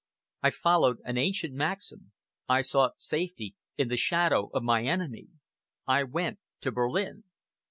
I followed an ancient maxim. I sought safety in the shadow of the enemy. I went to Berlin."